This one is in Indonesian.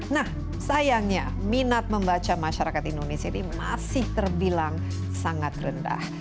nah sayangnya minat membaca masyarakat indonesia ini masih terbilang sangat rendah